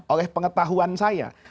oleh pengetahuan saya